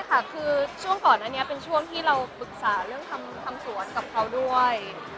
คือช่วงก่อนอันนี้เป็นช่วงที่เราปรึกษาเรื่องทำสวนกับเขาด้วย